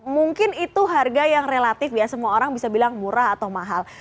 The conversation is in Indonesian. mungkin itu harga yang relatif ya semua orang bisa bilang murah atau mahal